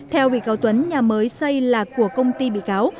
theo bị cáo tuấn nhà mới xây là của công ty bị cáo